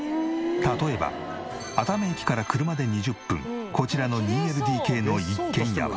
例えば熱海駅から車で２０分こちらの２ＬＤＫの一軒家は。